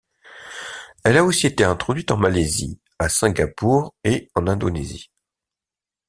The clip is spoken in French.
Elle a aussi été introduite en Malaisie, à Singapour et en Indonésie.